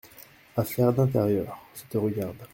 Affaire d’intérieur… ça te regarde.